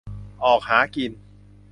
ออกหากิน